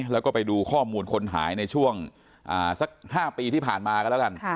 แล้วก็ไปดูข้อมูลคนหายในช่วงสัก๕ปีที่ผ่านมากันแล้วกัน